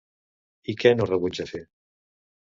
I què no rebutja fer?